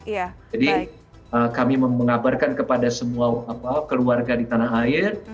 jadi kami mengabarkan kepada semua keluarga di tanah air